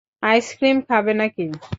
Ice cream খাবে নাকি?